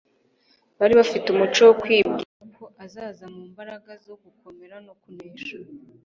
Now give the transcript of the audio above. Bari bafite umuco wo kwibwira ko azaza mu mbaraga zo gukomera no kunesha.